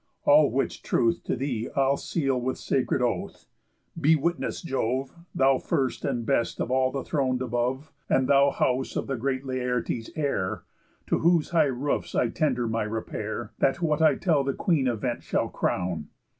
All which truth to thee I'll seal with sacred oath. Be witness, Jove, Thou first and best of all the thron'd above! And thou house of the great Laertes' heir, To whose high roofs I tender my repair, That what I tell the Queen event shall crown!